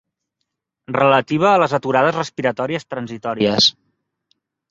Relativa a les aturades respiratòries transitòries.